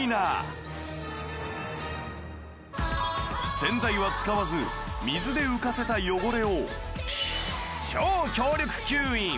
洗剤は使わず水で浮かせた汚れを超強力吸引